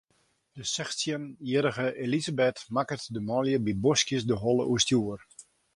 De sechstjinjierrige Elisabeth makket de manlju by boskjes de holle oerstjoer.